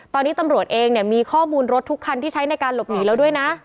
ตอนนี้ตำรวจเองเนี่ยมีข้อมูลรถทุกคันที่ใช้ในการหลบหนีแล้วด้วยนะ